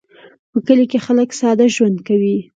په کلي کې خلک ساده ژوند کوي